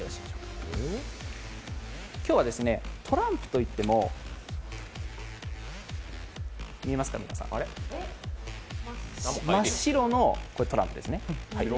今日はトランプといっても真っ白のトランプですね。